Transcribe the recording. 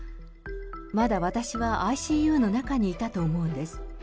まだ私はＩＣＵの中にいたと思うんです。